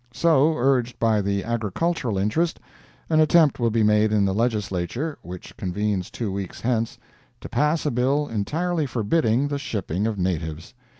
So, urged by the agricultural interest, an attempt will be made in the Legislature, which convenes two weeks hence, to pass a bill entirely forbidding the shipping of natives.